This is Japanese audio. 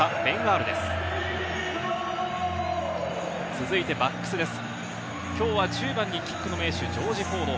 続いてバックスです。